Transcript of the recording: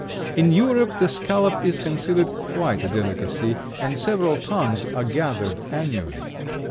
In Europe, the scallop is considered quite a delicacy and several tons are gathered annually.